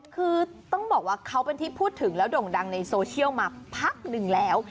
คือต้องบอกว่าเขาเป็นที่พูดถึงแล้วด่งดังในโซเชียลมาพักหนึ่งแล้ว